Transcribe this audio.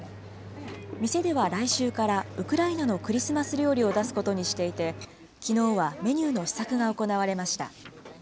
店では来週からウクライナのクリスマス料理を出すことにしていて、きのうはメニューの試作が行われました。